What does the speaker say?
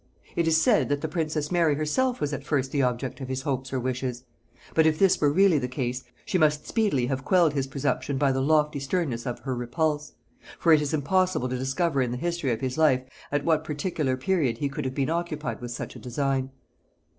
It is said that the princess Mary herself was at first the object of his hopes or wishes: but if this were really the case, she must speedily have quelled his presumption by the lofty sternness of her repulse; for it is impossible to discover in the history of his life at what particular period he could have been occupied with such a design.